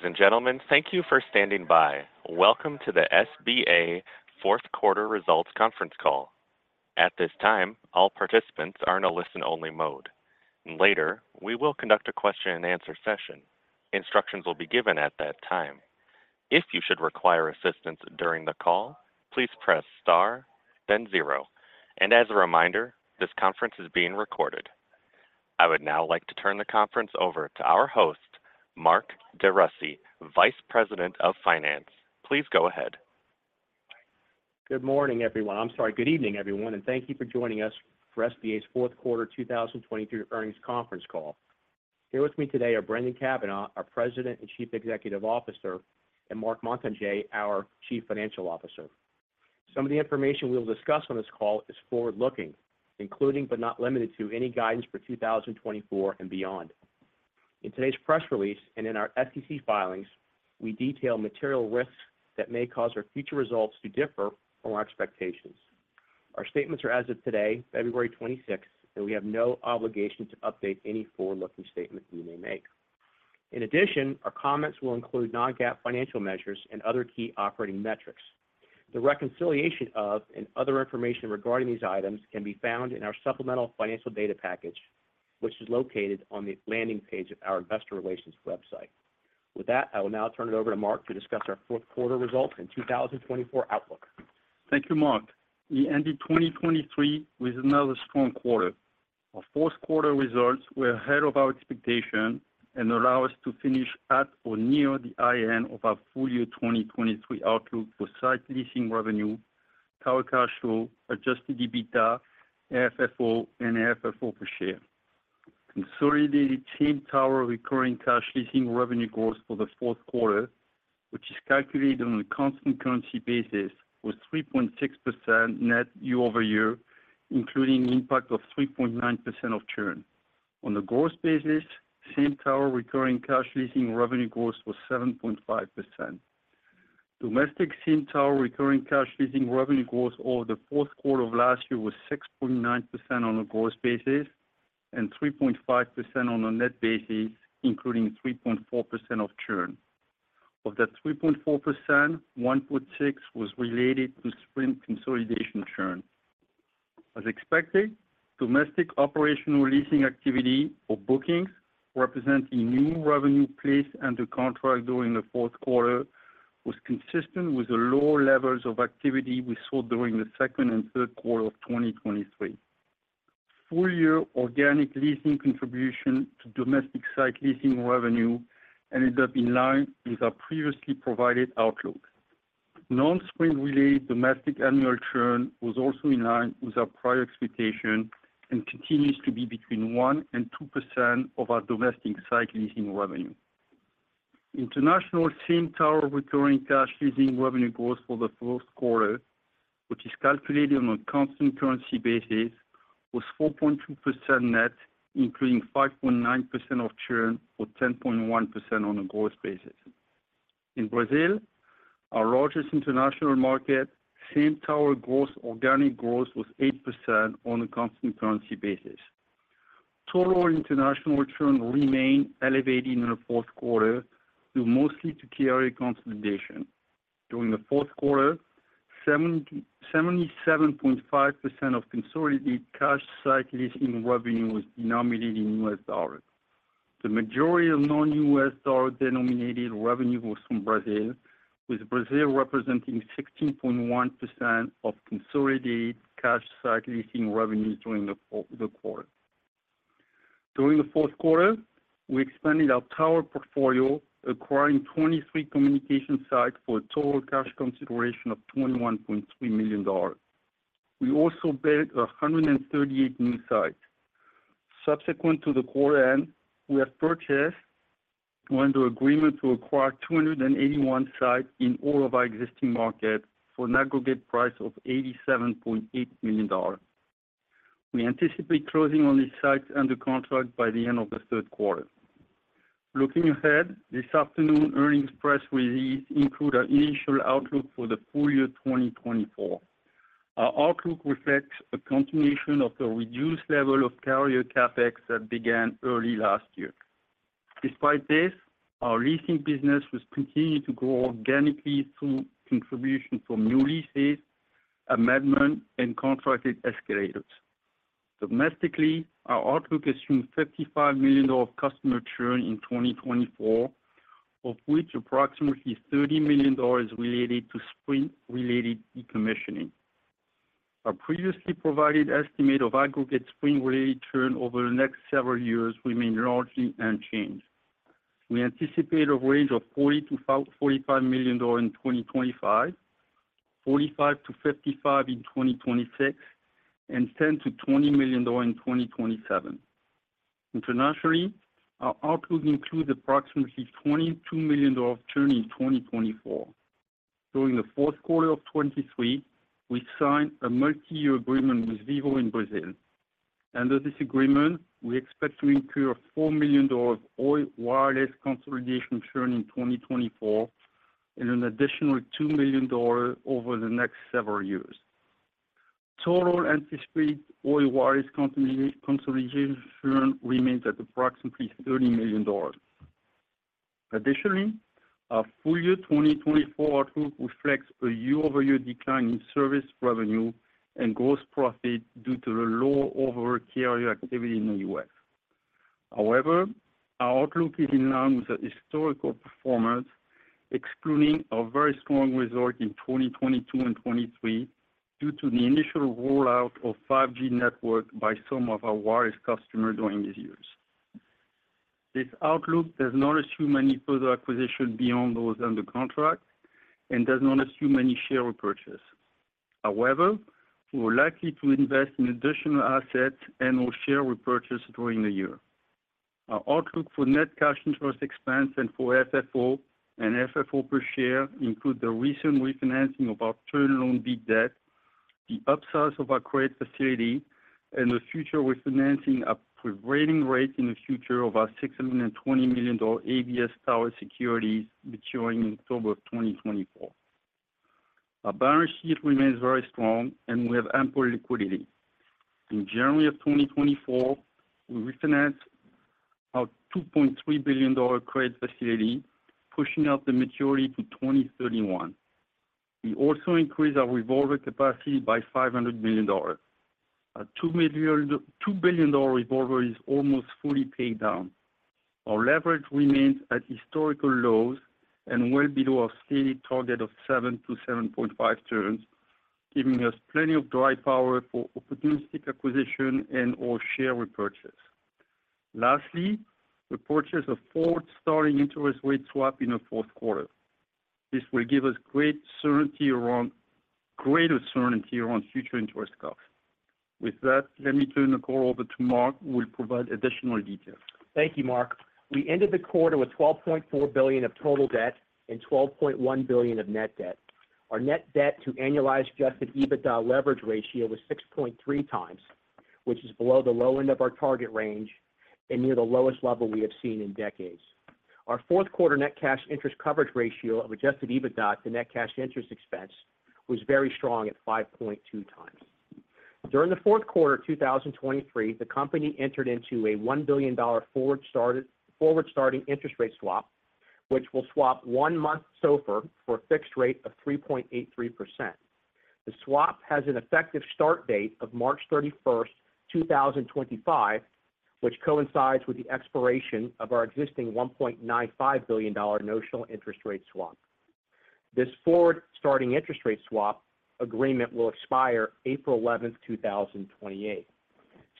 Ladies and gentlemen, thank you for standing by. Welcome to the SBA Fourth Quarter Results Conference Call. At this time, all participants are in a listen-only mode. Later, we will conduct a question-and-answer session. Instructions will be given at that time. If you should require assistance during the call, please press star, then zero. As a reminder, this conference is being recorded. I would now like to turn the conference over to our host, Mark DeRussy, Vice President of Finance. Please go ahead. Good morning, everyone. I'm sorry, good evening, everyone, and thank you for joining us for SBA's Fourth Quarter 2023 Earnings Conference Call. Here with me today are Brendan Cavanagh, our President and Chief Executive Officer, and Marc Montagner, our Chief Financial Officer. Some of the information we will discuss on this call is forward-looking, including but not limited to any guidance for 2024 and beyond. In today's press release and in our SEC filings, we detail material risks that may cause our future results to differ from our expectations. Our statements are as of today, February 26th, and we have no obligation to update any forward-looking statement we may make. In addition, our comments will include non-GAAP financial measures and other key operating metrics. The reconciliation of and other information regarding these items can be found in our supplemental financial data package, which is located on the landing page of our investor relations website. With that, I will now turn it over to Marc to discuss our fourth quarter Results and 2024 outlook. Thank you, Mark. We ended 2023 with another strong quarter. Our fourth quarter results were ahead of our expectation and allowed us to finish at or near the high end of our full year 2023 outlook for site leasing revenue, Tower Cash Flow, Adjusted EBITDA, AFFO, and AFFO per share. Consolidated total tower recurring cash leasing revenue growth for the fourth quarter, which is calculated on a constant currency basis, was 3.6% net year-over-year, including an impact of 3.9% of churn. On a gross basis, total tower recurring cash leasing revenue growth was 7.5%. Domestic total tower recurring cash leasing revenue growth over the fourth quarter of last year was 6.9% on a gross basis and 3.5% on a net basis, including 3.4% of churn. Of that 3.4%, 1.6% was related to Sprint consolidation churn. As expected, domestic operational leasing activity, or bookings, representing new revenue placed under contract during the fourth quarter, was consistent with the lower levels of activity we saw during the second and third quarter of 2023. Full year organic leasing contribution to domestic site leasing revenue ended up in line with our previously provided outlook. Non-Sprint-related domestic annual churn was also in line with our prior expectation and continues to be between 1% and 2% of our domestic site leasing revenue. International tower recurring cash leasing revenue growth for the fourth quarter, which is calculated on a constant currency basis, was 4.2% net, including 5.9% of churn or 10.1% on a gross basis. In Brazil, our largest international market, tower gross organic growth was 8% on a constant currency basis. Total international churn remained elevated in the fourth quarter, due mostly to carrier consolidation. During the fourth quarter, 77.5% of consolidated cash site leasing revenue was denominated in U.S. dollars. The majority of non-U.S. dollar denominated revenue was from Brazil, with Brazil representing 16.1% of consolidated cash site leasing revenues during the quarter. During the fourth quarter, we expanded our tower portfolio, acquiring 23 communication sites for a total cash consideration of $21.3 million. We also built 138 new sites. Subsequent to the quarter-end, we have purchased and under agreement to acquire 281 sites in all of our existing markets for an aggregate price of $87.8 million. We anticipate closing on these sites under contract by the end of the third quarter. Looking ahead, this afternoon's earnings press release includes our initial outlook for the full year 2024. Our outlook reflects a continuation of the reduced level of carrier CapEx that began early last year. Despite this, our leasing business has continued to grow organically through contributions from new leases, amendments, and contracted escalators. Domestically, our outlook assumes $55 million of customer churn in 2024, of which approximately $30 million is related to Sprint-related decommissioning. Our previously provided estimate of aggregate Sprint-related churn over the next several years remains largely unchanged. We anticipate a range of $40-$45 million in 2025, $45-$55 million in 2026, and $10-$20 million in 2027. Internationally, our outlook includes approximately $22 million of churn in 2024. During the fourth quarter of 2023, we signed a multi-year agreement with Vivo in Brazil. Under this agreement, we expect to incur $4 million of Oi wireless consolidation churn in 2024 and an additional $2 million over the next several years. Total anticipated Oi wireless consolidation churn remains at approximately $30 million. Additionally, our full year 2024 outlook reflects a year-over-year decline in service revenue and gross profit due to the lower overhead carrier activity in the U.S. However, our outlook is in line with our historical performance, excluding our very strong results in 2022 and 2023 due to the initial rollout of 5G network by some of our wireless customers during these years. This outlook does not assume any further acquisition beyond those under contract and does not assume any share repurchase. However, we are likely to invest in additional assets and/or share repurchase during the year. Our outlook for net cash interest expense and for AFFO and AFFO per share includes the recent refinancing of our Term Loan B debt, the upsize of our credit facility, and the future refinancing of prevailing rates in the future of our $620 million ABS Tower Securities maturing in October of 2024. Our balance sheet remains very strong, and we have ample liquidity. In January of 2024, we refinanced our $2.3 billion credit facility, pushing out the maturity to 2031. We also increased our revolver capacity by $500 million. Our $2 billion revolver is almost fully paid down. Our leverage remains at historical lows and well below our stated target of 7-7.5 turns, giving us plenty of dry powder for opportunistic acquisition and/or share repurchase. Lastly, we purchased a forward starting interest rate swap in the fourth quarter. This will give us greater certainty around future interest costs. With that, let me turn the call over to Mark, who will provide additional details. Thank you, Marc. We ended the quarter with $12.4 billion of total debt and $12.1 billion of net debt. Our net debt-to-annualized Adjusted EBITDA leverage ratio was 6.3 times, which is below the low end of our target range and near the lowest level we have seen in decades. Our fourth quarter net cash interest coverage ratio of Adjusted EBITDA to net cash interest expense was very strong at 5.2 times. During the fourth quarter of 2023, the company entered into a $1 billion forward starting interest rate swap, which will swap one-month SOFR for a fixed rate of 3.83%. The swap has an effective start date of March 31st, 2025, which coincides with the expiration of our existing $1.95 billion notional interest rate swap. This forward starting interest rate swap agreement will expire April 11th, 2028.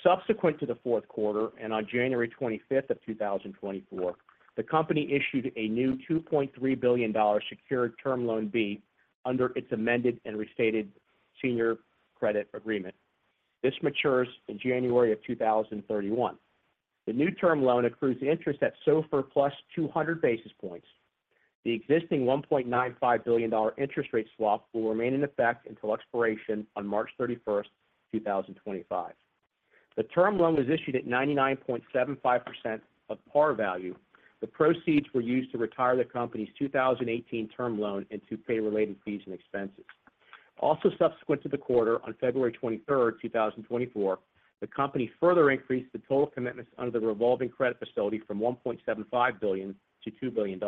Subsequent to the fourth quarter and on January 25th of 2024, the company issued a new $2.3 billion secured Term Loan B under its amended and restated senior credit agreement. This matures in January of 2031. The new term loan accrues interest at SOFR plus 200 basis points. The existing $1.95 billion interest rate swap will remain in effect until expiration on March 31st, 2025. The term loan was issued at 99.75% of par value. The proceeds were used to retire the company's 2018 term loan and to pay related fees and expenses. Also subsequent to the quarter, on February 23rd, 2024, the company further increased the total commitments under the revolving credit facility from $1.75-$2 billion.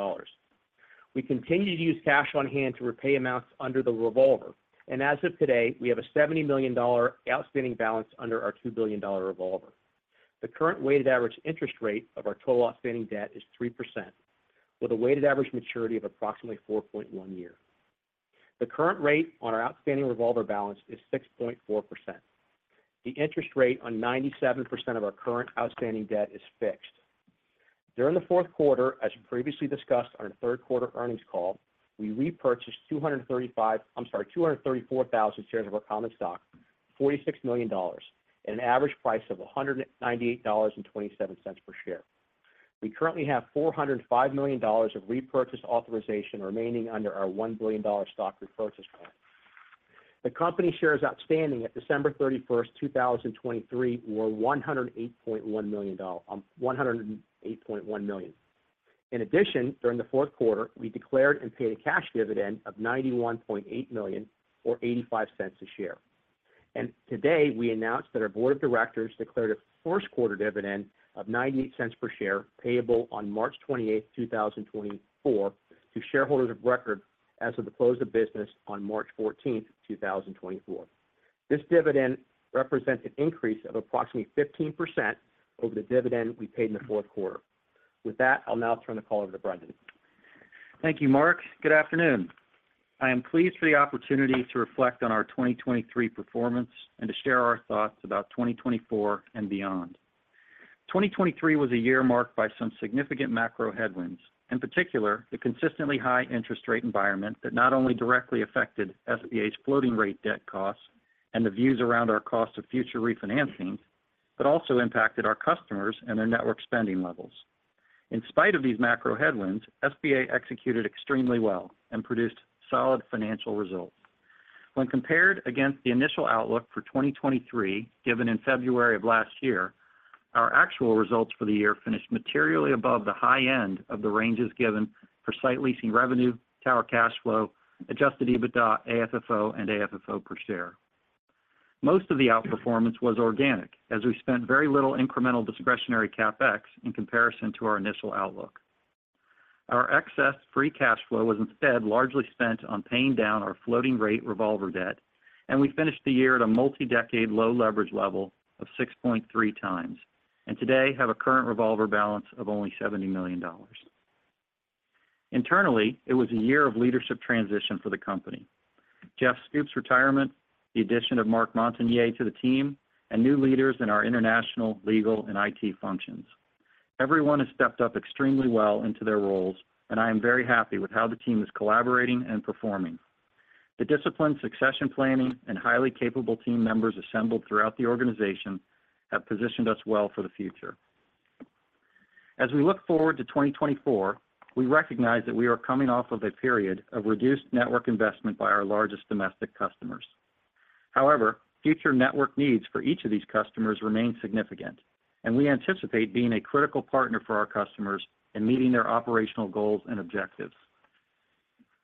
We continue to use cash on hand to repay amounts under the revolver, and as of today, we have a $70 million outstanding balance under our $2 billion revolver. The current weighted average interest rate of our total outstanding debt is 3%, with a weighted average maturity of approximately 4.1 years. The current rate on our outstanding revolver balance is 6.4%. The interest rate on 97% of our current outstanding debt is fixed. During the fourth quarter, as previously discussed on our third quarter earnings call, we repurchased 235, I'm sorry, 234,000 shares of our common stock, $46 million, at an average price of $198.27 per share. We currently have $405 million of repurchase authorization remaining under our $1 billion stock repurchase plan. The company shares outstanding at December 31, 2023, were 108.1 million. In addition, during the fourth quarter, we declared and paid a cash dividend of $91.8 million or $0.85 a share. Today, we announced that our board of directors declared a first quarter dividend of $0.98 per share payable on March 28th, 2024, to shareholders of record as of the close of business on March 14th, 2024. This dividend represents an increase of approximately 15% over the dividend we paid in the fourth quarter. With that, I'll now turn the call over to Brendan. Thank you, Mark. Good afternoon. I am pleased for the opportunity to reflect on our 2023 performance and to share our thoughts about 2024 and beyond. 2023 was a year marked by some significant macro headwinds, in particular the consistently high interest rate environment that not only directly affected SBA's floating rate debt costs and the views around our cost of future refinancing, but also impacted our customers and their network spending levels. In spite of these macro headwinds, SBA executed extremely well and produced solid financial results. When compared against the initial outlook for 2023 given in February of last year, our actual results for the year finished materially above the high end of the ranges given for site leasing revenue, Tower Cash Flow, Adjusted EBITDA, AFFO, and AFFO per share. Most of the outperformance was organic, as we spent very little incremental discretionary CapEx in comparison to our initial outlook. Our excess free cash flow was instead largely spent on paying down our floating rate revolver debt, and we finished the year at a multi-decade low leverage level of 6.3x, and today have a current revolver balance of only $70 million. Internally, it was a year of leadership transition for the company: Jeff Stoops' retirement, the addition of Marc Montagner to the team, and new leaders in our international, legal, and IT functions. Everyone has stepped up extremely well into their roles, and I am very happy with how the team is collaborating and performing. The disciplined succession planning and highly capable team members assembled throughout the organization have positioned us well for the future. As we look forward to 2024, we recognize that we are coming off of a period of reduced network investment by our largest domestic customers. However, future network needs for each of these customers remain significant, and we anticipate being a critical partner for our customers in meeting their operational goals and objectives.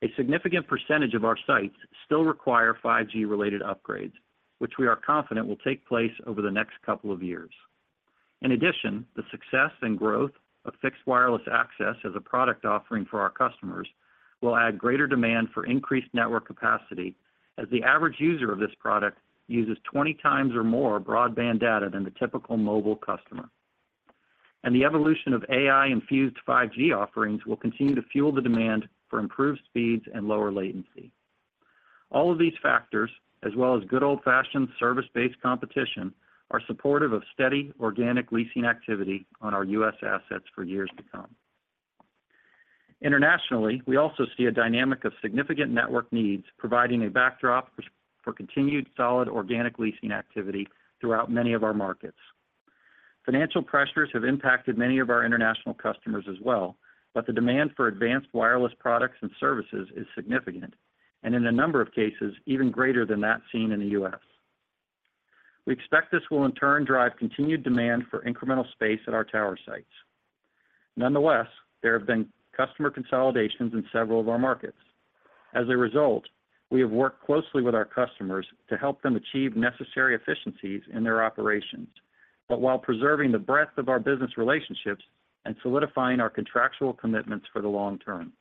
A significant percentage of our sites still require 5G-related upgrades, which we are confident will take place over the next couple of years. In addition, the success and growth of fixed wireless access as a product offering for our customers will add greater demand for increased network capacity, as the average user of this product uses 20 times or more broadband data than the typical mobile customer. The evolution of AI-infused 5G offerings will continue to fuel the demand for improved speeds and lower latency. All of these factors, as well as good old-fashioned service-based competition, are supportive of steady organic leasing activity on our U.S. assets for years to come. Internationally, we also see a dynamic of significant network needs providing a backdrop for continued solid organic leasing activity throughout many of our markets. Financial pressures have impacted many of our international customers as well, but the demand for advanced wireless products and services is significant, and in a number of cases, even greater than that seen in the U.S. We expect this will, in turn, drive continued demand for incremental space at our tower sites. Nonetheless, there have been customer consolidations in several of our markets. As a result, we have worked closely with our customers to help them achieve necessary efficiencies in their operations, but while preserving the breadth of our business relationships and solidifying our contractual commitments for the long term.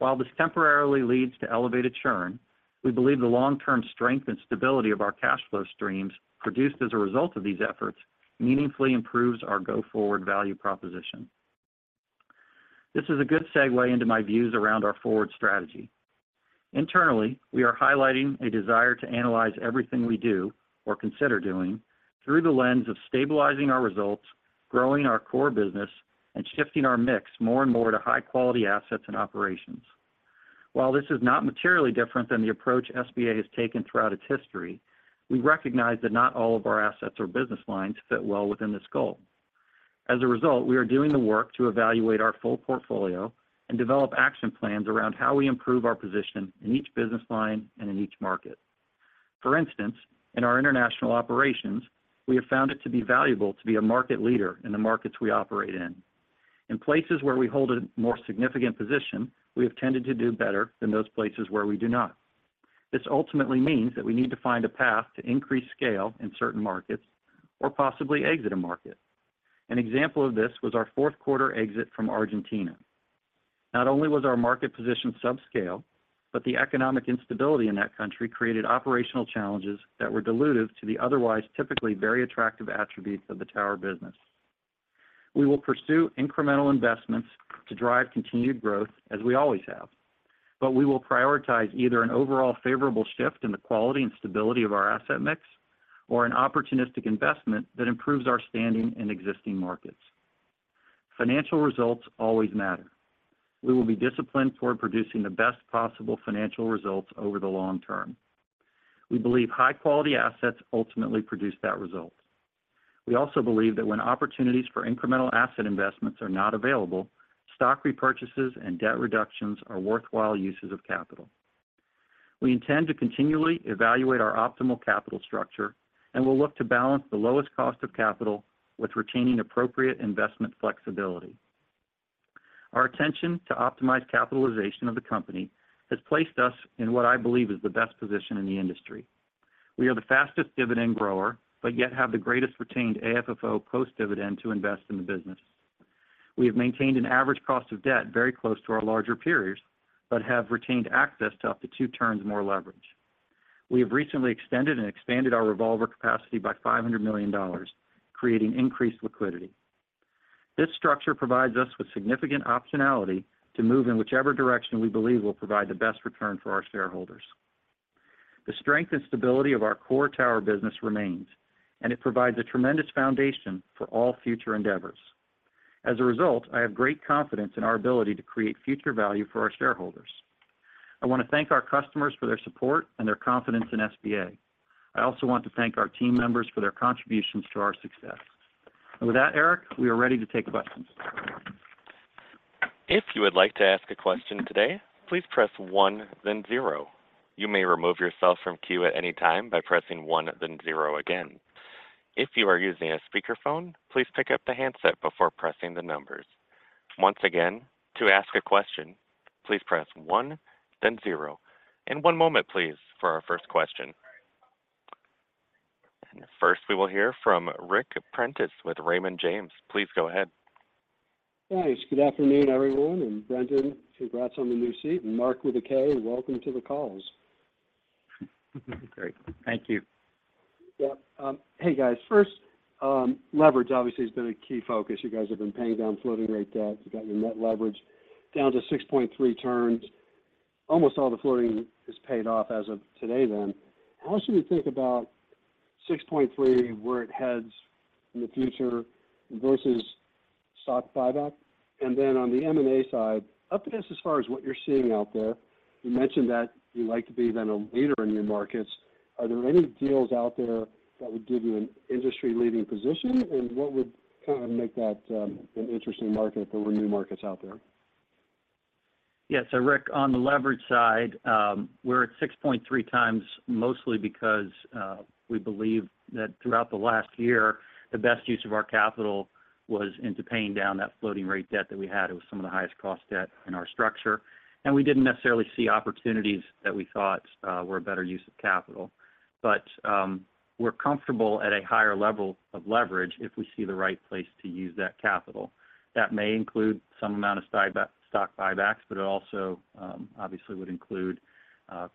While this temporarily leads to elevated churn, we believe the long-term strength and stability of our cash flow streams produced as a result of these efforts meaningfully improves our go-forward value proposition. This is a good segue into my views around our forward strategy. Internally, we are highlighting a desire to analyze everything we do or consider doing through the lens of stabilizing our results, growing our core business, and shifting our mix more and more to high-quality assets and operations. While this is not materially different than the approach SBA has taken throughout its history, we recognize that not all of our assets or business lines fit well within this goal. As a result, we are doing the work to evaluate our full portfolio and develop action plans around how we improve our position in each business line and in each market. For instance, in our international operations, we have found it to be valuable to be a market leader in the markets we operate in. In places where we hold a more significant position, we have tended to do better than those places where we do not. This ultimately means that we need to find a path to increase scale in certain markets or possibly exit a market. An example of this was our fourth quarter exit from Argentina. Not only was our market position subscale, but the economic instability in that country created operational challenges that were dilutive to the otherwise typically very attractive attributes of the tower business. We will pursue incremental investments to drive continued growth, as we always have, but we will prioritize either an overall favorable shift in the quality and stability of our asset mix or an opportunistic investment that improves our standing in existing markets. Financial results always matter. We will be disciplined toward producing the best possible financial results over the long term. We believe high-quality assets ultimately produce that result. We also believe that when opportunities for incremental asset investments are not available, stock repurchases and debt reductions are worthwhile uses of capital. We intend to continually evaluate our optimal capital structure and will look to balance the lowest cost of capital with retaining appropriate investment flexibility. Our attention to optimize capitalization of the company has placed us in what I believe is the best position in the industry. We are the fastest dividend grower, but yet have the greatest retained AFFO post-dividend to invest in the business. We have maintained an average cost of debt very close to our larger peers, but have retained access to up to two turns more leverage. We have recently extended and expanded our revolver capacity by $500 million, creating increased liquidity. This structure provides us with significant optionality to move in whichever direction we believe will provide the best return for our shareholders. The strength and stability of our core tower business remains, and it provides a tremendous foundation for all future endeavors. As a result, I have great confidence in our ability to create future value for our shareholders. I want to thank our customers for their support and their confidence in SBA. I also want to thank our team members for their contributions to our success. With that, Eric, we are ready to take questions. If you would like to ask a question today, please press one, then zero. You may remove yourself from queue at any time by pressing one, then zero again. If you are using a speakerphone, please pick up the handset before pressing the numbers. Once again, to ask a question, please press one, then zero. One moment, please, for our first question. First, we will hear from Ric Prentiss with Raymond James. Please go ahead. Thanks. Good afternoon, everyone. Brendan, congrats on the new seat. Mark with a K. Welcome to the calls. Great. Thank you. Yeah. Hey, guys. First, leverage obviously has been a key focus. You guys have been paying down floating rate debt. You've got your net leverage down to 6.3 turns. Almost all the floating is paid off as of today, then. How should we think about 6.3, where it heads in the future, versus stock buyback? And then on the M&A side, up against as far as what you're seeing out there, you mentioned that you like to be then a leader in your markets. Are there any deals out there that would give you an industry-leading position? And what would kind of make that an interesting market if there were new markets out there? Yeah. So Ric, on the leverage side, we're at 6.3x mostly because we believe that throughout the last year, the best use of our capital was into paying down that floating rate debt that we had. It was some of the highest-cost debt in our structure. And we didn't necessarily see opportunities that we thought were a better use of capital. But we're comfortable at a higher level of leverage if we see the right place to use that capital. That may include some amount of stock buybacks, but it also obviously would include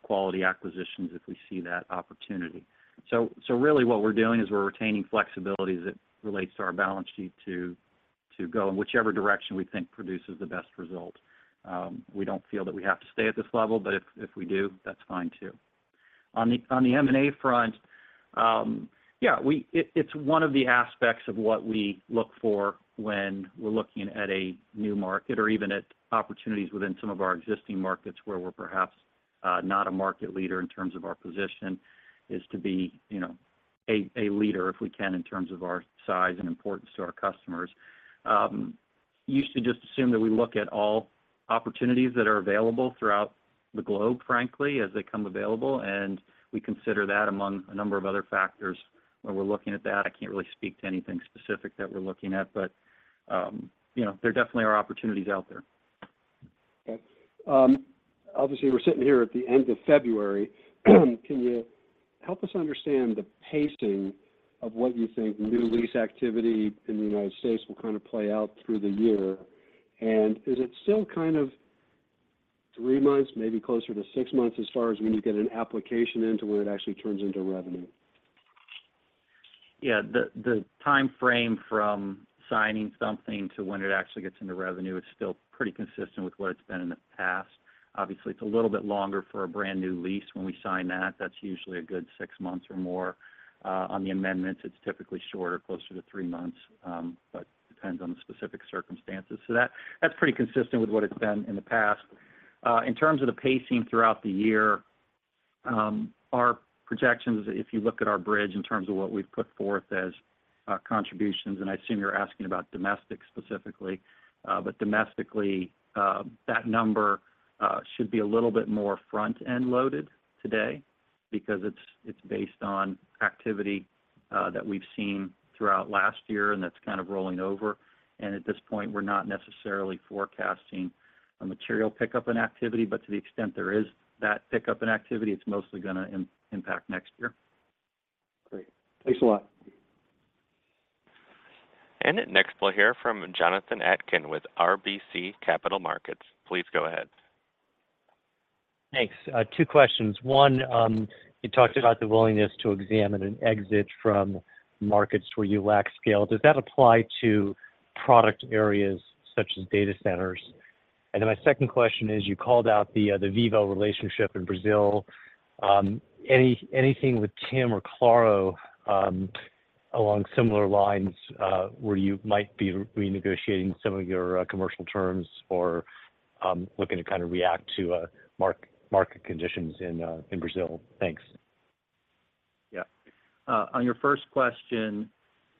quality acquisitions if we see that opportunity. So really, what we're doing is we're retaining flexibility as it relates to our balance sheet to go in whichever direction we think produces the best result. We don't feel that we have to stay at this level, but if we do, that's fine too. On the M&A front, yeah, it's one of the aspects of what we look for when we're looking at a new market or even at opportunities within some of our existing markets where we're perhaps not a market leader in terms of our position is to be a leader if we can in terms of our size and importance to our customers. I used to just assume that we look at all opportunities that are available throughout the globe, frankly, as they come available. We consider that among a number of other factors when we're looking at that. I can't really speak to anything specific that we're looking at, but there definitely are opportunities out there. Okay. Obviously, we're sitting here at the end of February. Can you help us understand the pacing of what you think new lease activity in the United States will kind of play out through the year? And is it still kind of three months, maybe closer to six months as far as when you get an application into when it actually turns into revenue? Yeah. The time frame from signing something to when it actually gets into revenue is still pretty consistent with what it's been in the past. Obviously, it's a little bit longer for a brand new lease. When we sign that, that's usually a good six months or more. On the amendments, it's typically shorter, closer to three months, but depends on the specific circumstances. So that's pretty consistent with what it's been in the past. In terms of the pacing throughout the year, our projections, if you look at our bridge in terms of what we've put forth as contributions and I assume you're asking about domestic specifically, but domestically, that number should be a little bit more front-end loaded today because it's based on activity that we've seen throughout last year, and that's kind of rolling over. At this point, we're not necessarily forecasting a material pickup in activity, but to the extent there is that pickup in activity, it's mostly going to impact next year. Great. Thanks a lot. Next we'll hear from Jonathan Atkin with RBC Capital Markets. Please go ahead. Thanks. Two questions. One, you talked about the willingness to examine an exit from markets where you lack scale. Does that apply to product areas such as data centers? And then my second question is, you called out the Vivo relationship in Brazil. Anything with TIM or Claro along similar lines where you might be renegotiating some of your commercial terms or looking to kind of react to market conditions in Brazil? Thanks. Yeah. On your first question,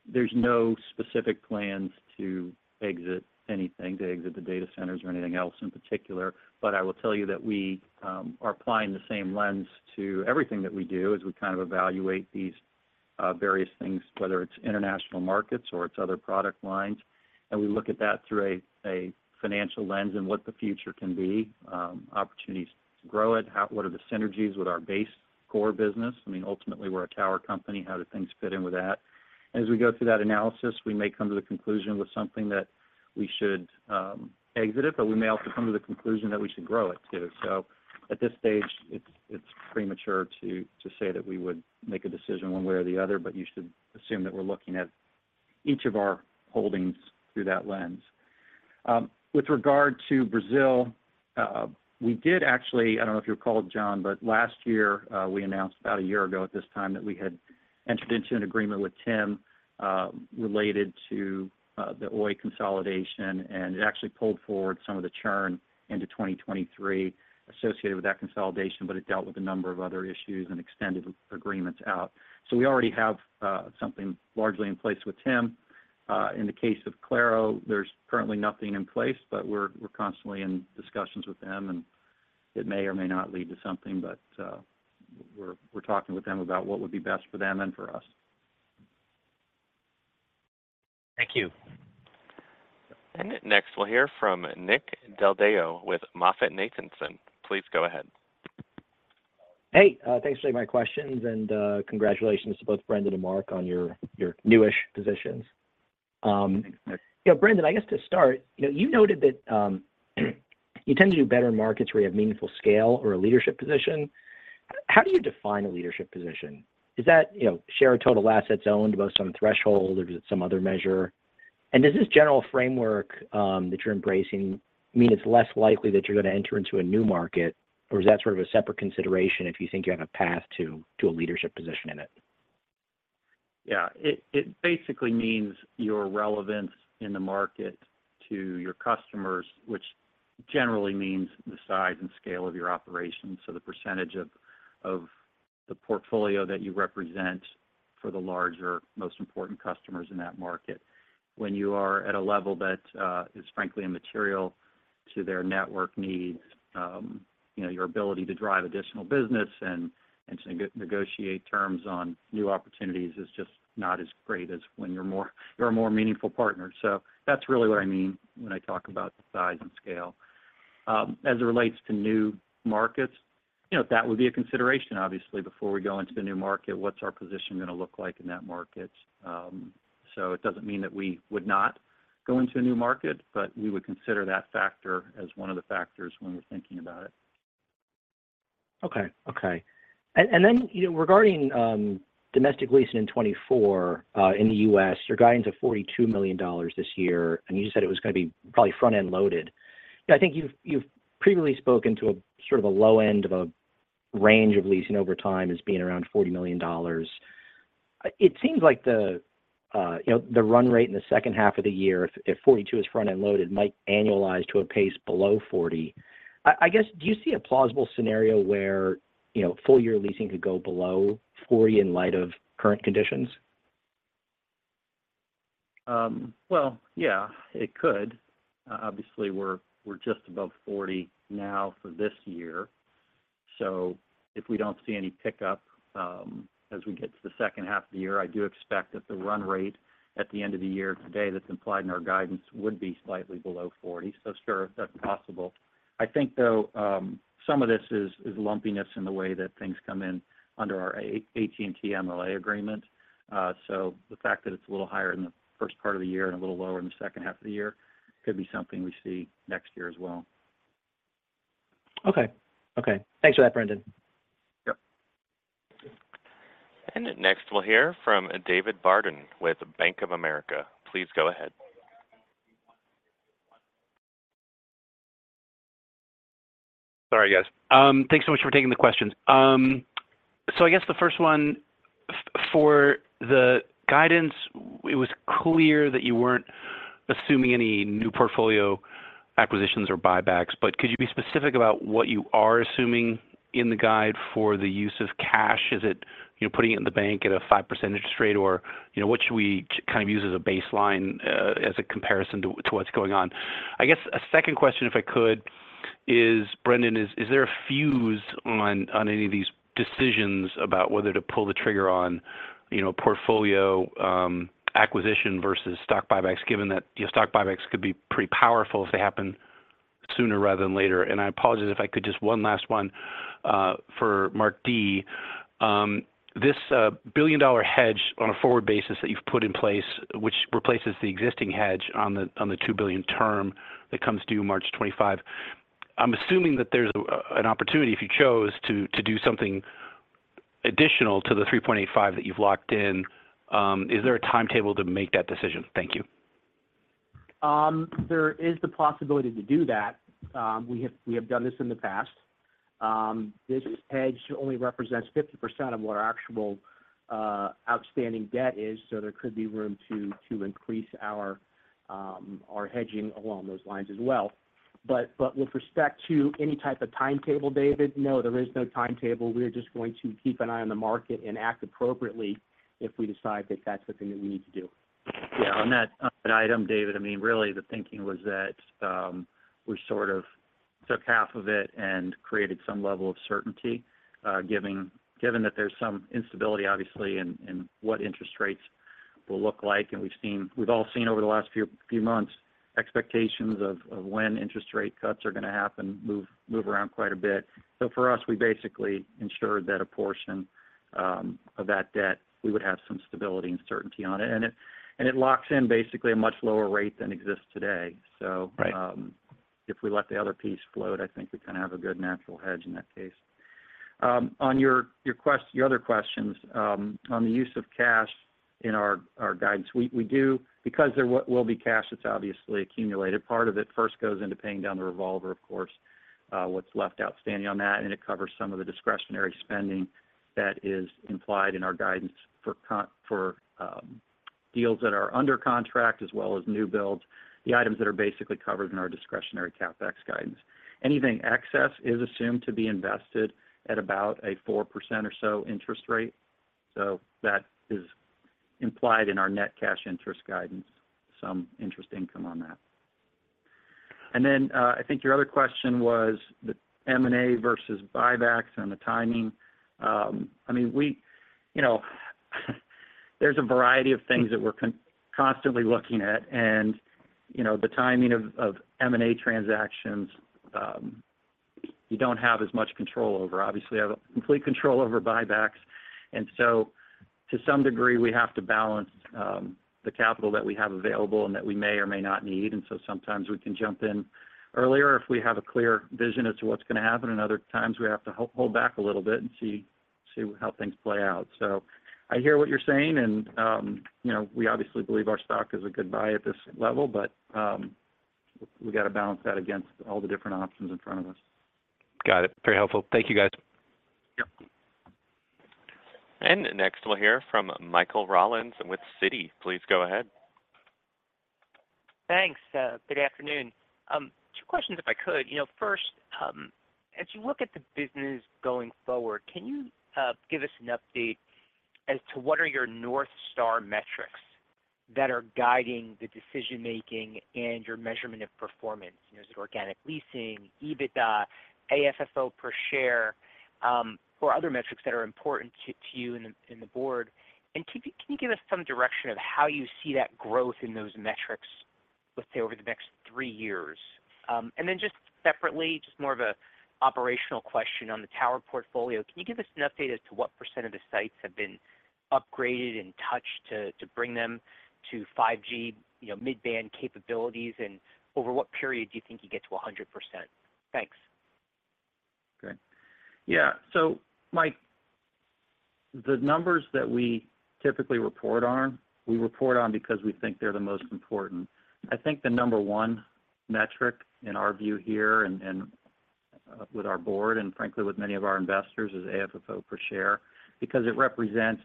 there's no specific plans to exit anything, to exit the data centers or anything else in particular. But I will tell you that we are applying the same lens to everything that we do as we kind of evaluate these various things, whether it's international markets or it's other product lines. And we look at that through a financial lens and what the future can be, opportunities to grow it, what are the synergies with our base core business? I mean, ultimately, we're a tower company. How do things fit in with that? And as we go through that analysis, we may come to the conclusion with something that we should exit it, but we may also come to the conclusion that we should grow it too. So at this stage, it's premature to say that we would make a decision one way or the other, but you should assume that we're looking at each of our holdings through that lens. With regard to Brazil, we did actually. I don't know if you recall, John, but last year, we announced about a year ago at this time that we had entered into an agreement with TIM related to the Oi consolidation, and it actually pulled forward some of the churn into 2023 associated with that consolidation, but it dealt with a number of other issues and extended agreements out. So we already have something largely in place with TIM. In the case of Claro, there's currently nothing in place, but we're constantly in discussions with them, and it may or may not lead to something, but we're talking with them about what would be best for them and for us. Thank you. Next, we'll hear from Nick Del Deo with MoffettNathanson. Please go ahead. Hey. Thanks for taking my questions, and congratulations to both Brendan and Mark on your newish positions. Thanks, Nick. Yeah. Brendan, I guess to start, you noted that you tend to do better in markets where you have meaningful scale or a leadership position. How do you define a leadership position? Is that share of total assets owned by some threshold, or is it some other measure? And does this general framework that you're embracing mean it's less likely that you're going to enter into a new market, or is that sort of a separate consideration if you think you have a path to a leadership position in it? Yeah. It basically means your relevance in the market to your customers, which generally means the size and scale of your operations, so the percentage of the portfolio that you represent for the larger, most important customers in that market. When you are at a level that is, frankly, immaterial to their network needs, your ability to drive additional business and to negotiate terms on new opportunities is just not as great as when you're a more meaningful partner. So that's really what I mean when I talk about size and scale. As it relates to new markets, that would be a consideration, obviously, before we go into the new market, what's our position going to look like in that market? So it doesn't mean that we would not go into a new market, but we would consider that factor as one of the factors when we're thinking about it. Okay. Okay. And then regarding domestic leasing in 2024 in the US, your guidance of $42 million this year, and you said it was going to be probably front-end loaded. I think you've previously spoken to sort of a low end of a range of leasing over time as being around $40 million. It seems like the run rate in the second half of the year, if $42 million is front-end loaded, might annualize to a pace below $40 million. I guess, do you see a plausible scenario where full-year leasing could go below $40 million in light of current conditions? Well, yeah, it could. Obviously, we're just above 40 now for this year. So if we don't see any pickup as we get to the second half of the year, I do expect that the run rate at the end of the year today that's implied in our guidance would be slightly below 40. So sure, that's possible. I think, though, some of this is lumpiness in the way that things come in under our AT&T MLA agreement. So the fact that it's a little higher in the first part of the year and a little lower in the second half of the year could be something we see next year as well. Okay. Okay. Thanks for that, Brendan. Yep. Next, we'll hear from David Barden with Bank of America. Please go ahead. Sorry, guys. Thanks so much for taking the questions. So I guess the first one, for the guidance, it was clear that you weren't assuming any new portfolio acquisitions or buybacks. But could you be specific about what you are assuming in the guide for the use of cash? Is it putting it in the bank at a 5% interest rate, or what should we kind of use as a baseline as a comparison to what's going on? I guess a second question, if I could, is, Brendan, is there a fuse on any of these decisions about whether to pull the trigger on portfolio acquisition versus stock buybacks, given that stock buybacks could be pretty powerful if they happen sooner rather than later? And I apologize, if I could, just one last one for Mark D. This billion-dollar hedge on a forward basis that you've put in place, which replaces the existing hedge on the $2 billion term that comes due March 25. I'm assuming that there's an opportunity, if you chose, to do something additional to the 3.85 that you've locked in. Is there a timetable to make that decision? Thank you. There is the possibility to do that. We have done this in the past. This hedge only represents 50% of what our actual outstanding debt is, so there could be room to increase our hedging along those lines as well. But with respect to any type of timetable, David, no, there is no timetable. We are just going to keep an eye on the market and act appropriately if we decide that that's the thing that we need to do. Yeah. On that item, David, I mean, really, the thinking was that we sort of took half of it and created some level of certainty, given that there's some instability, obviously, in what interest rates will look like. And we've all seen over the last few months expectations of when interest rate cuts are going to happen, move around quite a bit. So for us, we basically ensured that a portion of that debt, we would have some stability and certainty on it. And it locks in, basically, a much lower rate than exists today. So if we let the other piece float, I think we kind of have a good natural hedge in that case. On your other questions, on the use of cash in our guidance, because there will be cash that's obviously accumulated, part of it first goes into paying down the revolver, of course, what's left outstanding on that, and it covers some of the discretionary spending that is implied in our guidance for deals that are under contract as well as new builds, the items that are basically covered in our discretionary CapEx guidance. Anything excess is assumed to be invested at about a 4% or so interest rate. So that is implied in our net cash interest guidance, some interest income on that. And then I think your other question was the M&A versus buybacks and the timing. I mean, there's a variety of things that we're constantly looking at. And the timing of M&A transactions, you don't have as much control over. Obviously, you have complete control over buybacks. To some degree, we have to balance the capital that we have available and that we may or may not need. Sometimes we can jump in earlier if we have a clear vision as to what's going to happen, and other times, we have to hold back a little bit and see how things play out. I hear what you're saying, and we obviously believe our stock is a good buy at this level, but we got to balance that against all the different options in front of us. Got it. Very helpful. Thank you, guys. Yep. Next, we'll hear from Michael Rollins with Citi. Please go ahead. Thanks. Good afternoon. two questions, if I could. First, as you look at the business going forward, can you give us an update as to what are your North Star metrics that are guiding the decision-making and your measurement of performance? Is it organic leasing, EBITDA, AFFO per share, or other metrics that are important to you in the board? And can you give us some direction of how you see that growth in those metrics, let's say, over the next three years? And then just separately, just more of an operational question on the tower portfolio, can you give us an update as to what percent of the sites have been upgraded and touched to bring them to 5G mid-band capabilities, and over what period do you think you get to 100%? Thanks. Great. Yeah. So, Mike, the numbers that we typically report on, we report on because we think they're the most important. I think the number one metric in our view here and with our board and, frankly, with many of our investors is AFFO per share because it represents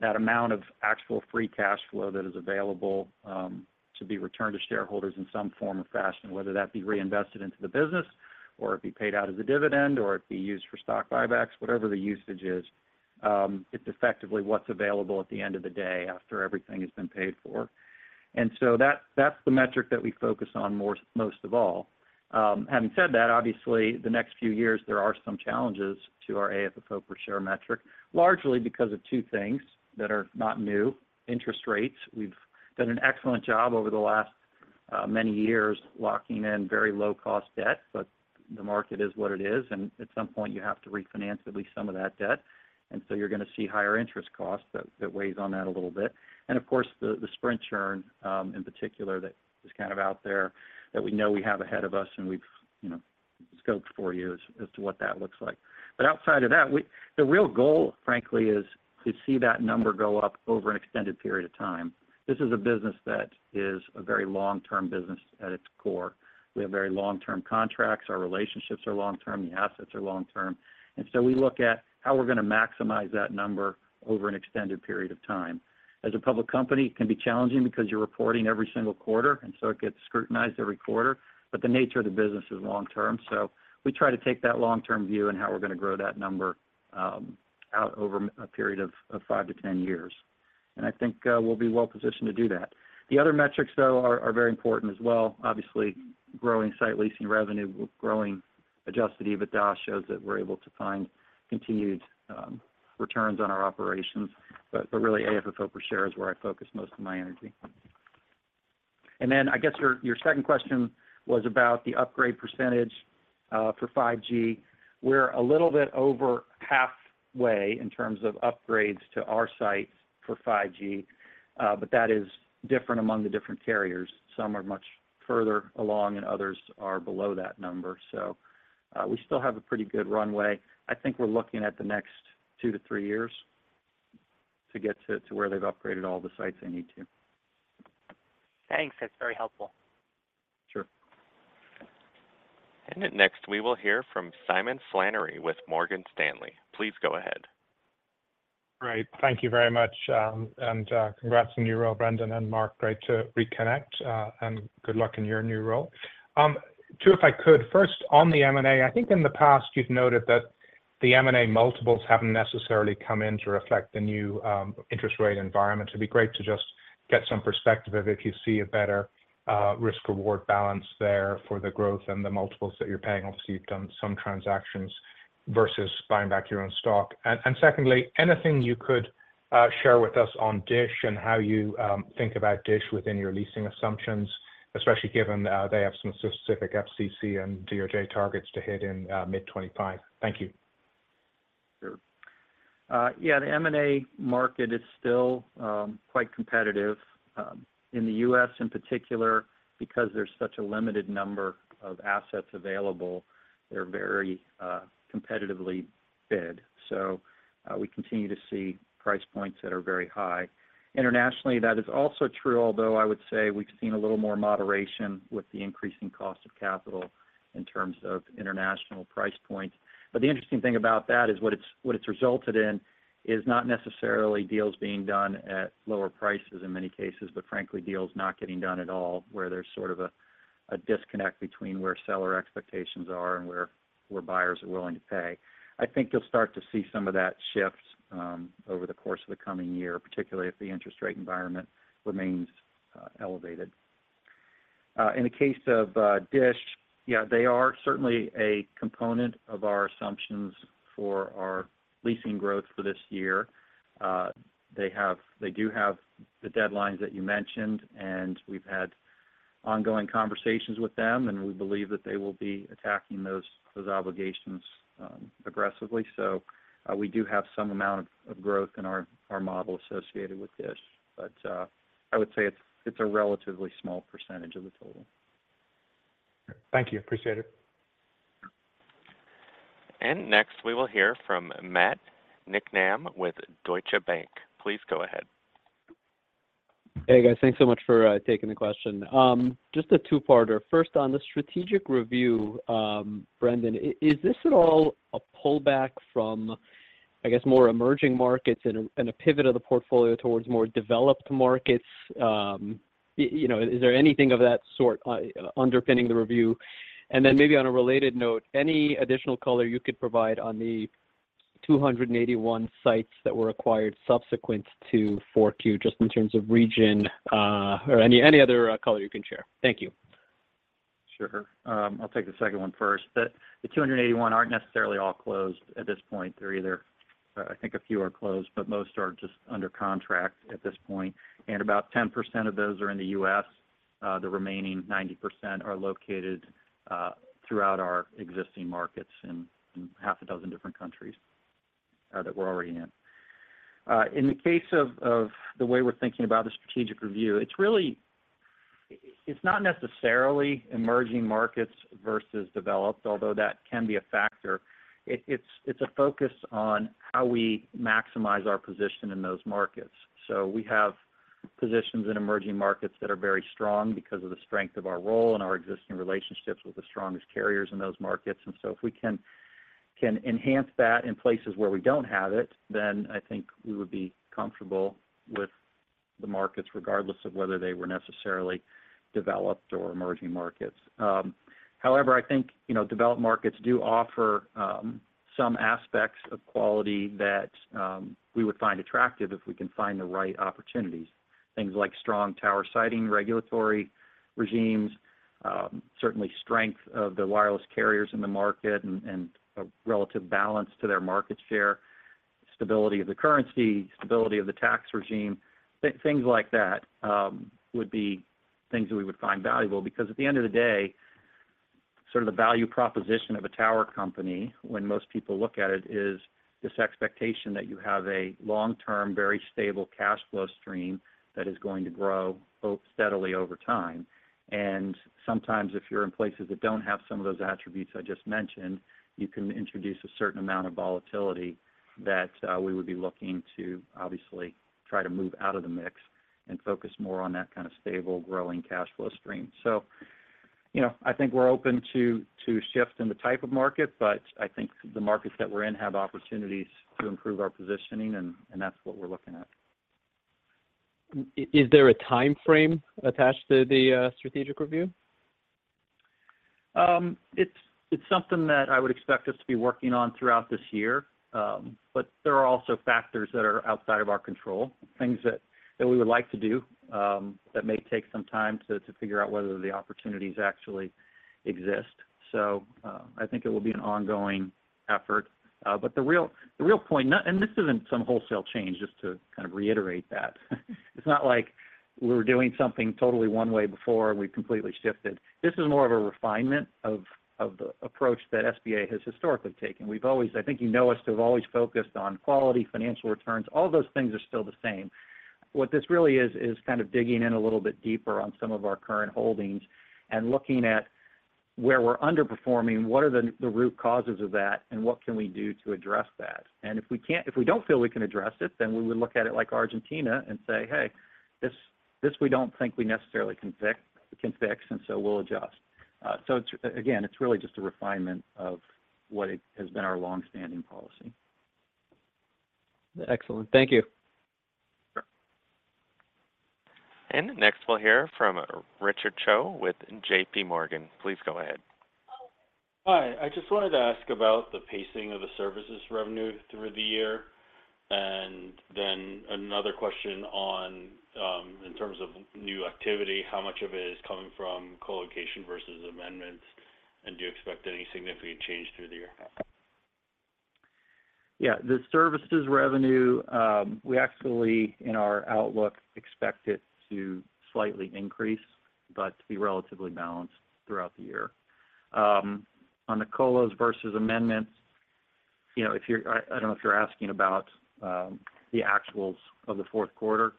that amount of actual free cash flow that is available to be returned to shareholders in some form or fashion, whether that be reinvested into the business or it be paid out as a dividend or it be used for stock buybacks, whatever the usage is. It's effectively what's available at the end of the day after everything has been paid for. And so that's the metric that we focus on most of all. Having said that, obviously, the next few years, there are some challenges to our AFFO per share metric, largely because of two things that are not new: interest rates. We've done an excellent job over the last many years locking in very low-cost debt, but the market is what it is, and at some point, you have to refinance at least some of that debt. And so you're going to see higher interest costs that weighs on that a little bit. And of course, the Sprint churn in particular that is kind of out there that we know we have ahead of us, and we've scoped for you as to what that looks like. But outside of that, the real goal, frankly, is to see that number go up over an extended period of time. This is a business that is a very long-term business at its core. We have very long-term contracts. Our relationships are long-term. The assets are long-term. And so we look at how we're going to maximize that number over an extended period of time. As a public company, it can be challenging because you're reporting every single quarter, and so it gets scrutinized every quarter. But the nature of the business is long-term, so we try to take that long-term view in how we're going to grow that number out over a period of 5-10 years. And I think we'll be well-positioned to do that. The other metrics, though, are very important as well. Obviously, growing site leasing revenue, growing Adjusted EBITDA shows that we're able to find continued returns on our operations. But really, AFFO per share is where I focus most of my energy. And then I guess your second question was about the upgrade percentage for 5G. We're a little bit over halfway in terms of upgrades to our sites for 5G, but that is different among the different carriers. Some are much further along, and others are below that number. So we still have a pretty good runway. I think we're looking at the next 2-3 years to get to where they've upgraded all the sites they need to. Thanks. That's very helpful. Sure. Next, we will hear from Simon Flannery with Morgan Stanley. Please go ahead. Great. Thank you very much. And congrats on your role, Brendan and Marc. Great to reconnect, and good luck in your new role. Two, if I could. First, on the M&A, I think in the past, you've noted that the M&A multiples haven't necessarily come in to reflect the new interest rate environment. It'd be great to just get some perspective of if you see a better risk-reward balance there for the growth and the multiples that you're paying. Obviously, you've done some transactions versus buying back your own stock. And secondly, anything you could share with us on DISH and how you think about DISH within your leasing assumptions, especially given they have some specific FCC and DOJ targets to hit in mid-2025. Thank you. Sure. Yeah, the M&A market is still quite competitive. In the U.S., in particular, because there's such a limited number of assets available, they're very competitively bid. So we continue to see price points that are very high. Internationally, that is also true, although I would say we've seen a little more moderation with the increasing cost of capital in terms of international price points. But the interesting thing about that is what it's resulted in is not necessarily deals being done at lower prices in many cases, but frankly, deals not getting done at all where there's sort of a disconnect between where seller expectations are and where buyers are willing to pay. I think you'll start to see some of that shift over the course of the coming year, particularly if the interest rate environment remains elevated. In the case of DISH, yeah, they are certainly a component of our assumptions for our leasing growth for this year. They do have the deadlines that you mentioned, and we've had ongoing conversations with them, and we believe that they will be attacking those obligations aggressively. So we do have some amount of growth in our model associated with DISH, but I would say it's a relatively small percentage of the total. Thank you. Appreciate it. Next, we will hear from Matt Niknam with Deutsche Bank. Please go ahead. Hey, guys. Thanks so much for taking the question. Just a two-parter. First, on the strategic review, Brendan, is this at all a pullback from, I guess, more emerging markets and a pivot of the portfolio towards more developed markets? Is there anything of that sort underpinning the review? And then maybe on a related note, any additional color you could provide on the 281 sites that were acquired subsequent to 4Q just in terms of region or any other color you can share. Thank you. Sure. I'll take the second one first. The 281 aren't necessarily all closed at this point either. I think a few are closed, but most are just under contract at this point. About 10% of those are in the U.S. The remaining 90% are located throughout our existing markets in half a dozen different countries that we're already in. In the case of the way we're thinking about the strategic review, it's not necessarily emerging markets versus developed, although that can be a factor. It's a focus on how we maximize our position in those markets. So we have positions in emerging markets that are very strong because of the strength of our role and our existing relationships with the strongest carriers in those markets. And so if we can enhance that in places where we don't have it, then I think we would be comfortable with the markets regardless of whether they were necessarily developed or emerging markets. However, I think developed markets do offer some aspects of quality that we would find attractive if we can find the right opportunities, things like strong tower siting regulatory regimes, certainly strength of the wireless carriers in the market and a relative balance to their market share, stability of the currency, stability of the tax regime, things like that would be things that we would find valuable because at the end of the day, sort of the value proposition of a tower company, when most people look at it, is this expectation that you have a long-term, very stable cash flow stream that is going to grow steadily over time. And sometimes, if you're in places that don't have some of those attributes I just mentioned, you can introduce a certain amount of volatility that we would be looking to, obviously, try to move out of the mix and focus more on that kind of stable, growing cash flow stream. So I think we're open to shifts in the type of market, but I think the markets that we're in have opportunities to improve our positioning, and that's what we're looking at. Is there a timeframe attached to the strategic review? It's something that I would expect us to be working on throughout this year, but there are also factors that are outside of our control, things that we would like to do that may take some time to figure out whether the opportunities actually exist. So I think it will be an ongoing effort. But the real point, and this isn't some wholesale change, just to kind of reiterate that. It's not like we were doing something totally one way before, and we've completely shifted. This is more of a refinement of the approach that SBA has historically taken. I think you know us to have always focused on quality, financial returns. All those things are still the same. What this really is is kind of digging in a little bit deeper on some of our current holdings and looking at where we're underperforming, what are the root causes of that, and what can we do to address that. If we don't feel we can address it, then we would look at it like Argentina and say, "Hey, this we don't think we necessarily can fix, and so we'll adjust." Again, it's really just a refinement of what has been our longstanding policy. Excellent. Thank you. Next, we'll hear from Richard Choe with JPMorgan. Please go ahead. Hi. I just wanted to ask about the pacing of the services revenue through the year. And then another question in terms of new activity: how much of it is coming from colocation versus amendments, and do you expect any significant change through the year? Yeah. The services revenue, we actually, in our outlook, expect it to slightly increase but to be relatively balanced throughout the year. On the colos versus amendments, I don't know if you're asking about the actuals of the fourth quarter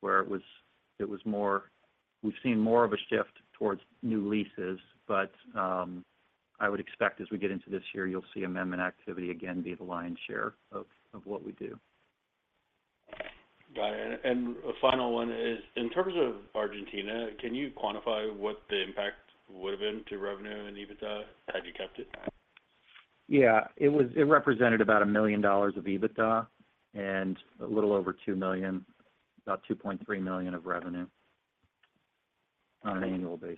where it was more we've seen more of a shift towards new leases, but I would expect, as we get into this year, you'll see amendment activity again be the lion's share of what we do. Got it. A final one is, in terms of Argentina, can you quantify what the impact would have been to revenue and EBITDA? Had you kept it? Yeah. It represented about $1 million of EBITDA and a little over $2 million, about $2.3 million of revenue on an annual basis.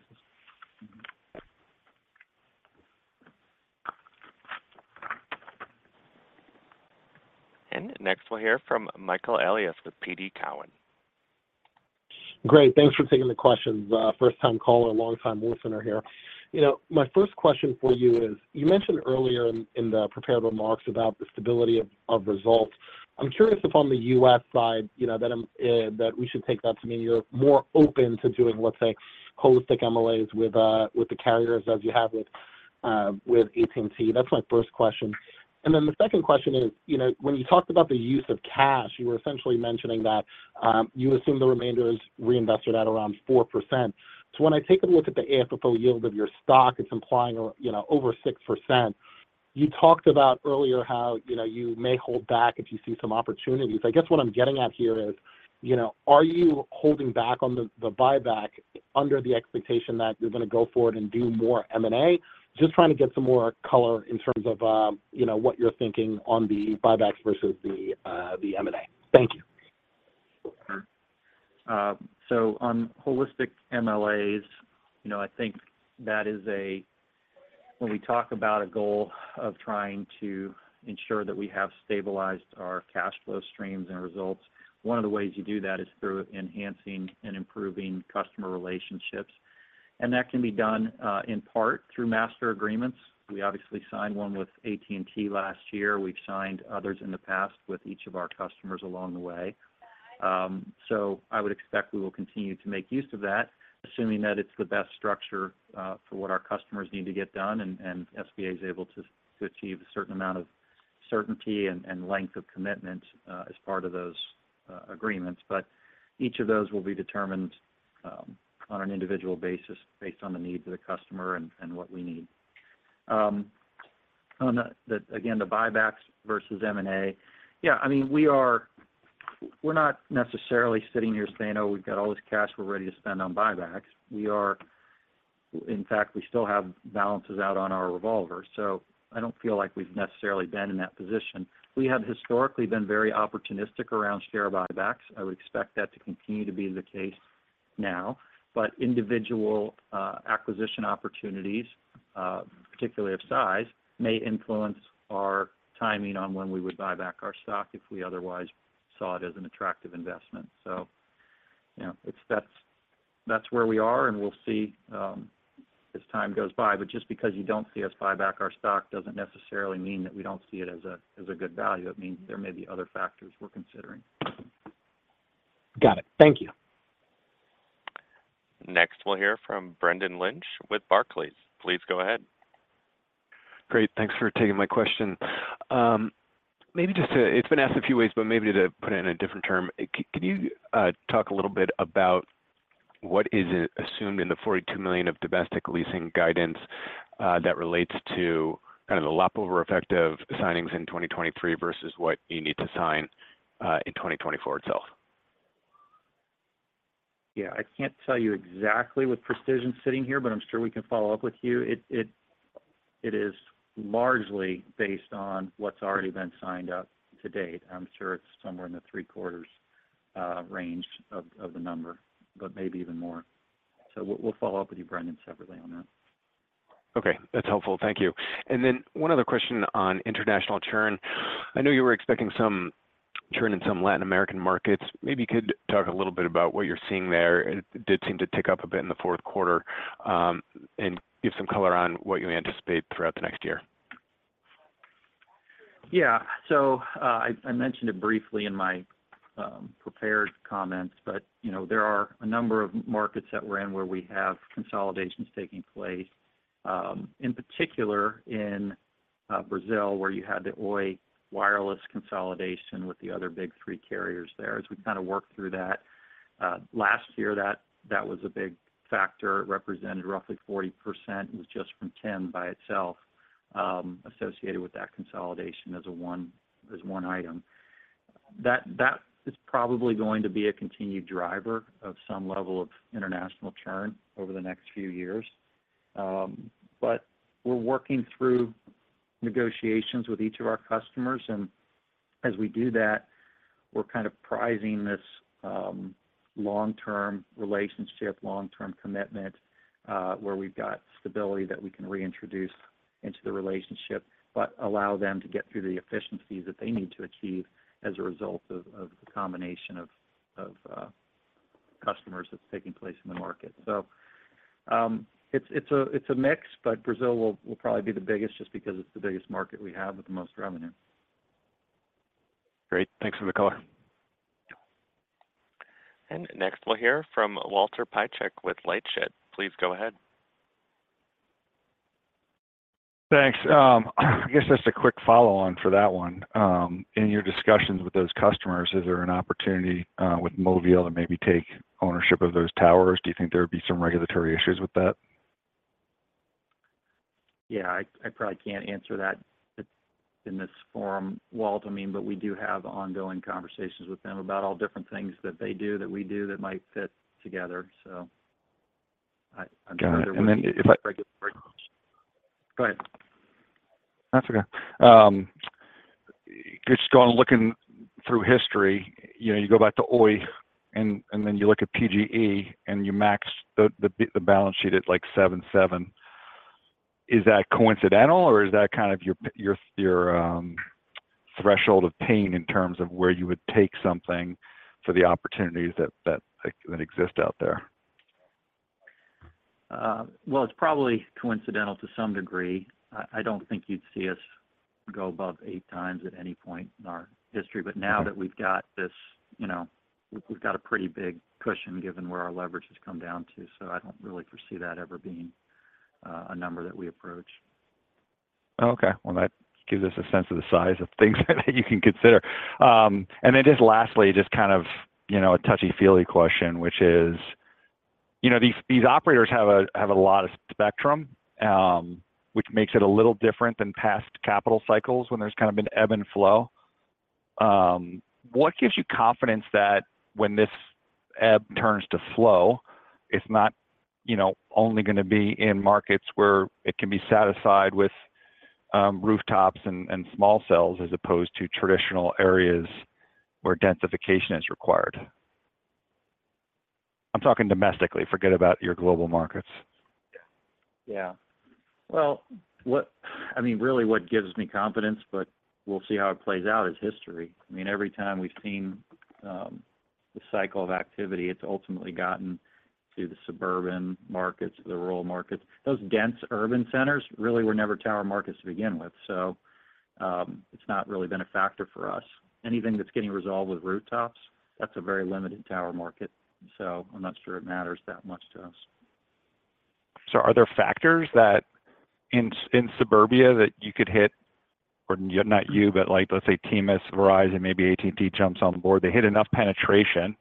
Next, we'll hear from Michael Elias with TD Cowen. Great. Thanks for taking the questions. First-time caller, long-time listener here. My first question for you is, you mentioned earlier in the prepared remarks about the stability of results. I'm curious if on the U.S. side that we should take that to mean you're more open to doing, let's say, holistic MLAs with the carriers as you have with AT&T. That's my first question. And then the second question is, when you talked about the use of cash, you were essentially mentioning that you assume the remainder is reinvested at around 4%. So when I take a look at the AFFO yield of your stock, it's implying over 6%. You talked about earlier how you may hold back if you see some opportunities. I guess what I'm getting at here is, are you holding back on the buyback under the expectation that you're going to go forward and do more M&A? Just trying to get some more color in terms of what you're thinking on the buybacks versus the M&A. Thank you. Sure. So on holistic MLAs, I think that is a way when we talk about a goal of trying to ensure that we have stabilized our cash flow streams and results, one of the ways you do that is through enhancing and improving customer relationships. And that can be done in part through master agreements. We obviously signed one with AT&T last year. We've signed others in the past with each of our customers along the way. So I would expect we will continue to make use of that, assuming that it's the best structure for what our customers need to get done, and SBA is able to achieve a certain amount of certainty and length of commitment as part of those agreements. But each of those will be determined on an individual basis based on the needs of the customer and what we need. Again, the buybacks versus M&A, yeah, I mean, we're not necessarily sitting here saying, "Oh, we've got all this cash. We're ready to spend on buybacks." In fact, we still have balances out on our revolver. So I don't feel like we've necessarily been in that position. We have historically been very opportunistic around share buybacks. I would expect that to continue to be the case now. But individual acquisition opportunities, particularly of size, may influence our timing on when we would buy back our stock if we otherwise saw it as an attractive investment. So that's where we are, and we'll see as time goes by. But just because you don't see us buy back our stock doesn't necessarily mean that we don't see it as a good value. It means there may be other factors we're considering. Got it. Thank you. Next, we'll hear from Brendan Lynch with Barclays. Please go ahead. Great. Thanks for taking my question. Maybe just to, it's been asked a few ways, but maybe to put it in a different term, can you talk a little bit about what is assumed in the $42 million of domestic leasing guidance that relates to kind of the rollover effect of signings in 2023 versus what you need to sign in 2024 itself? Yeah. I can't tell you exactly with precision sitting here, but I'm sure we can follow up with you. It is largely based on what's already been signed up to date. I'm sure it's somewhere in the three-quarters range of the number, but maybe even more. So we'll follow up with you, Brendan, separately on that. Okay. That's helpful. Thank you. And then one other question on international churn. I know you were expecting some churn in some Latin American markets. Maybe you could talk a little bit about what you're seeing there. It did seem to tick up a bit in the fourth quarter and give some color on what you anticipate throughout the next year. Yeah. So I mentioned it briefly in my prepared comments, but there are a number of markets that we're in where we have consolidations taking place, in particular in Brazil where you had the Oi wireless consolidation with the other big three carriers there. As we kind of worked through that, last year, that was a big factor. It represented roughly 40%. It was just from 10% by itself associated with that consolidation as one item. That is probably going to be a continued driver of some level of international churn over the next few years. But we're working through negotiations with each of our customers. As we do that, we're kind of prizing this long-term relationship, long-term commitment where we've got stability that we can reintroduce into the relationship but allow them to get through the efficiencies that they need to achieve as a result of the combination of customers that's taking place in the market. It's a mix, but Brazil will probably be the biggest just because it's the biggest market we have with the most revenue. Great. Thanks for the color. Next, we'll hear from Walter Piecyk with LightShed. Please go ahead. Thanks. I guess just a quick follow-on for that one. In your discussions with those customers, is there an opportunity with Movil to maybe take ownership of those towers? Do you think there would be some regulatory issues with that? Yeah. I probably can't answer that in this forum, Walter, I mean, but we do have ongoing conversations with them about all different things that they do, that we do, that might fit together. So I'm sure there would be some regulatory issues. Got it. And then if I go ahead. That's okay. Just going to look through history. You go back to Oi, and then you look at PG&E, and you max the balance sheet at 77. Is that coincidental, or is that kind of your threshold of pain in terms of where you would take something for the opportunities that exist out there? Well, it's probably coincidental to some degree. I don't think you'd see us go above 8x at any point in our history. But now that we've got this we've got a pretty big cushion given where our leverage has come down to, so I don't really foresee that ever being a number that we approach. Okay. Well, that gives us a sense of the size of things that you can consider. And then just lastly, just kind of a touchy-feely question, which is these operators have a lot of spectrum, which makes it a little different than past capital cycles when there's kind of been ebb and flow. What gives you confidence that when this ebb turns to flow, it's not only going to be in markets where it can be satisfied with rooftops and small cells as opposed to traditional areas where densification is required? I'm talking domestically. Forget about your global markets. Yeah. Well, I mean, really, what gives me confidence, but we'll see how it plays out, is history. I mean, every time we've seen the cycle of activity, it's ultimately gotten to the suburban markets, the rural markets. Those dense urban centers really were never tower markets to begin with, so it's not really been a factor for us. Anything that's getting resolved with rooftops, that's a very limited tower market, so I'm not sure it matters that much to us. So are there factors in suburbia that you could hit or not you, but let's say T-Mobile, Verizon, maybe AT&T jumps on board. They hit enough penetration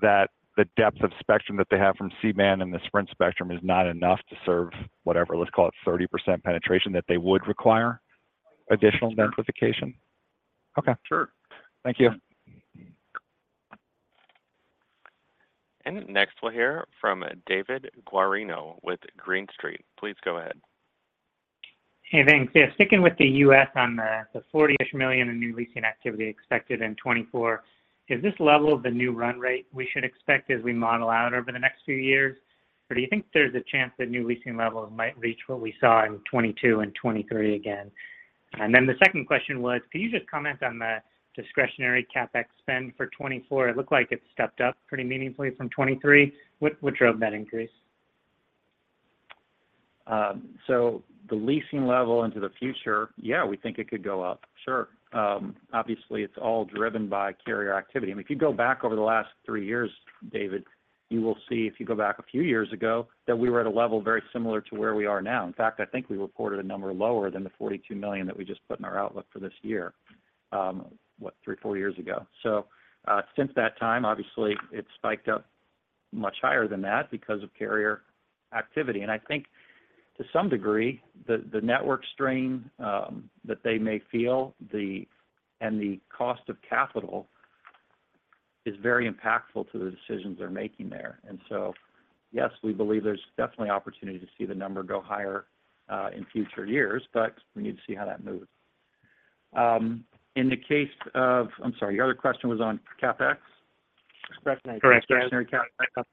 that the depth of spectrum that they have from C-band and the Sprint spectrum is not enough to serve whatever, let's call it 30% penetration, that they would require additional densification? Okay. Sure. Thank you. Next, we'll hear from David Guarino with Green Street. Please go ahead. Hey, thanks. Yeah. Sticking with the US on the $40-ish million in new leasing activity expected in 2024, is this level the new run rate we should expect as we model out over the next few years? Or do you think there's a chance that new leasing levels might reach what we saw in 2022 and 2023 again? And then the second question was, could you just comment on the discretionary CapEx spend for 2024? It looked like it stepped up pretty meaningfully from 2023. What drove that increase? So the leasing level into the future, yeah, we think it could go up. Sure. Obviously, it's all driven by carrier activity. I mean, if you go back over the last three years, David, you will see if you go back a few years ago that we were at a level very similar to where we are now. In fact, I think we reported a number lower than the $42 million that we just put in our outlook for this year, what, three, four years ago. So since that time, obviously, it's spiked up much higher than that because of carrier activity. And I think, to some degree, the network strain that they may feel and the cost of capital is very impactful to the decisions they're making there. So yes, we believe there's definitely opportunity to see the number go higher in future years, but we need to see how that moves. In the case of, I'm sorry. Your other question was on CapEx? Discretionary. Correct. Discretionary CapEx.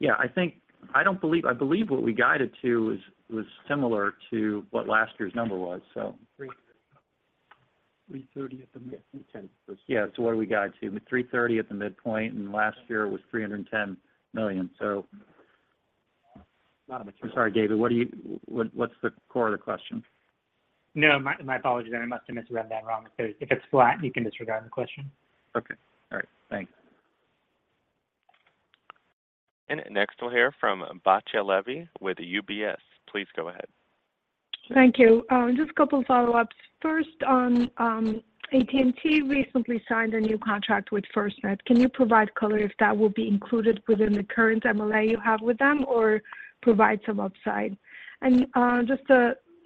Yeah. I don't believe what we guided to was similar to what last year's number was, so. $330 at the midpoint. Yeah. It's what we guide to. $330 at the midpoint. Last year, it was $310 million, so. Not a material. I'm sorry, David. What's the core of the question? No. My apologies. I must have misread that wrong. If it's flat, you can disregard the question. Okay. All right. Thanks. Next, we'll hear from Batya Levi with UBS. Please go ahead. Thank you. Just a couple of follow-ups. First, AT&T recently signed a new contract with FirstNet. Can you provide color if that will be included within the current MLA you have with them or provide some upside? Just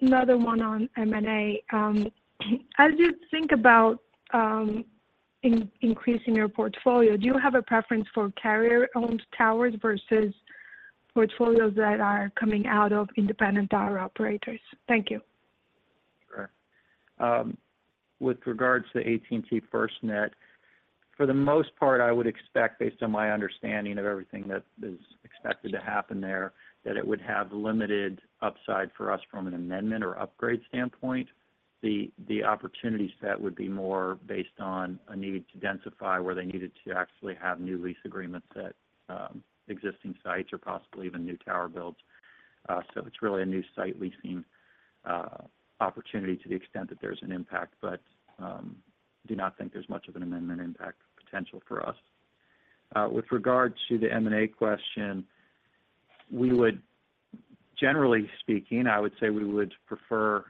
another one on M&A. As you think about increasing your portfolio, do you have a preference for carrier-owned towers versus portfolios that are coming out of independent tower operators? Thank you. Sure. With regards to AT&T FirstNet, for the most part, I would expect, based on my understanding of everything that is expected to happen there, that it would have limited upside for us from an amendment or upgrade standpoint. The opportunities set would be more based on a need to densify where they needed to actually have new lease agreements at existing sites or possibly even new tower builds. So it's really a new site leasing opportunity to the extent that there's an impact, but I do not think there's much of an amendment impact potential for us. With regard to the M&A question, generally speaking, I would say we would prefer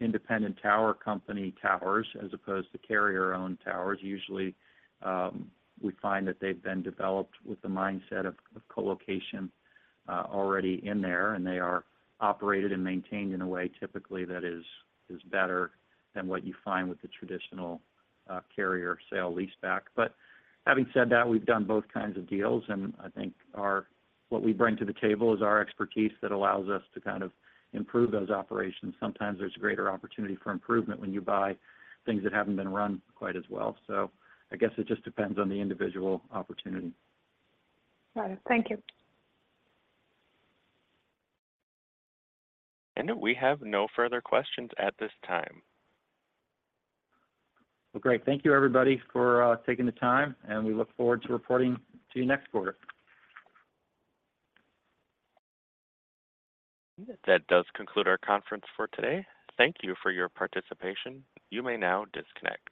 independent tower company towers as opposed to carrier-owned towers. Usually, we find that they've been developed with the mindset of colocation already in there, and they are operated and maintained in a way, typically, that is better than what you find with the traditional carrier sale lease back. But having said that, we've done both kinds of deals, and I think what we bring to the table is our expertise that allows us to kind of improve those operations. Sometimes there's greater opportunity for improvement when you buy things that haven't been run quite as well. So I guess it just depends on the individual opportunity. Got it. Thank you. We have no further questions at this time. Well, great. Thank you, everybody, for taking the time, and we look forward to reporting to you next quarter. That does conclude our conference for today. Thank you for your participation. You may now disconnect.